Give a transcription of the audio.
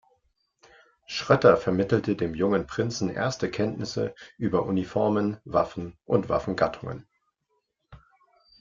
Schrötter vermittelte dem jungen Prinzen erste Kenntnisse über Uniformen, Waffen und Waffengattungen.